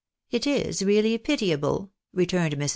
It is really pitiable !" returned ]\Irs.